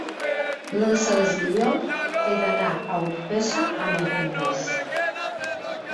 L'onze de juliol he d'anar a Orpesa amb autobús.